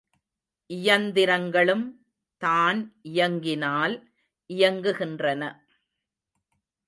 இயந்திரங்களும் தான் இயக்கினால் இயங்குகின்றன.